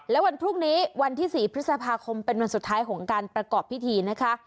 และวันพรุ่งนี้วันที่๔พฤษภาคมเป็นวันสุดท้ายของการประกอบพิธีนะคะ